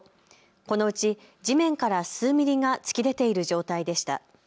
このうち地面から数ミリが突き出ている状態でした。